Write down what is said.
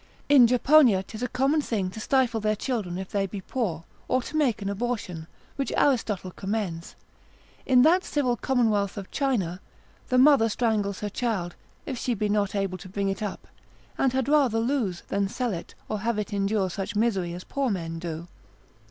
In Japonia, 'tis a common thing to stifle their children if they be poor, or to make an abortion, which Aristotle commends. In that civil commonwealth of China, the mother strangles her child, if she be not able to bring it up, and had rather lose, than sell it, or have it endure such misery as poor men do.